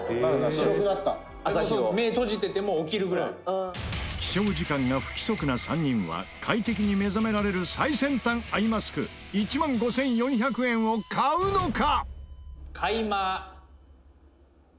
土屋：「目閉じてても起きるぐらい」起床時間が不足な３人は快適に目覚められる最先端アイマスク１万５４００円を買うのか？